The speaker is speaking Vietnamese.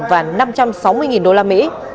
và năm trăm sáu mươi đô la mỹ